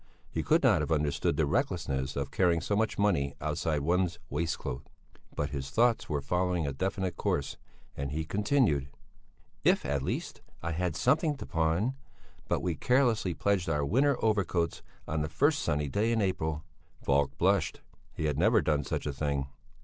He could not have understood the recklessness of carrying so much money outside one's waistcoat. But his thoughts were following a definite course, and he continued: "If at least I had something to pawn! But we carelessly pledged our winter overcoats on the first sunny day in April." Falk blushed. He had never done such a thing.